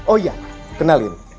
oh iya kenalin